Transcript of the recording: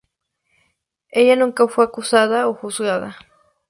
Ella nunca fue acusada o juzgada.